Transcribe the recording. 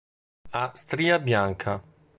Ha stria bianca.